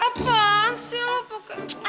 apaan sih lo pokoknya